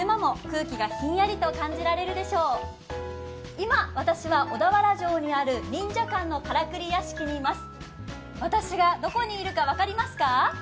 今、私は小田原城にあるＮＩＮＪＡ館のからくり屋敷にいます。